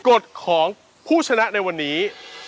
กฎของผู้ชนะในวันนี้